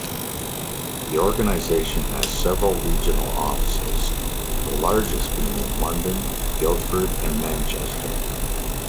The organisation has several regional offices, the largest being in London, Guildford and Manchester.